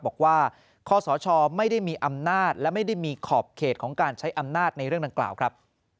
คอสชไม่ได้มีอำนาจและไม่ได้มีขอบเขตของการใช้อำนาจในเรื่องดังกล่าวครับ